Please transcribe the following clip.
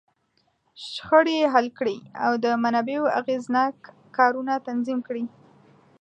شخړې حل کړي، او د منابعو اغېزناک کارونه تنظیم کړي.